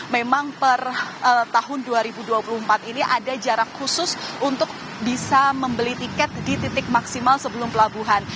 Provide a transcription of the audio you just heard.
memang per tahun dua ribu dua puluh empat ini ada jarak khusus untuk bisa membeli tiket di titik maksimal sebelum pelabuhan